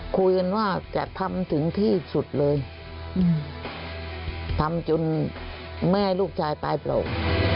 คุยกันว่าจะทำถึงที่สุดเลยทำจนแม่ลูกชายปลายโปร่ง